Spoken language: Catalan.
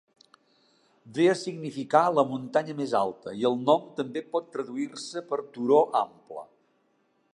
Ve a significar "la muntanya més alta" i el nom també pot traduir-se per "turó ample".